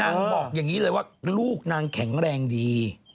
บอกอย่างนี้เลยว่าลูกนางแข็งแรงดี